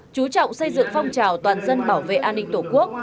chú trọng xây dựng phong trào toàn dân bảo vệ an ninh tổ quốc